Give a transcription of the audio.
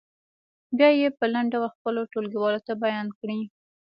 بیا یې په لنډ ډول خپلو ټولګیوالو ته بیان کړئ.